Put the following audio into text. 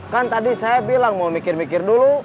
kan tadi saya bilang mau mikir mikir dulu